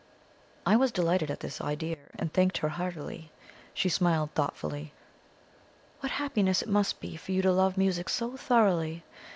I was delighted at this idea, and thanked her heartily. She smiled thoughtfully. "What happiness it must be for you to love music so thoroughly!"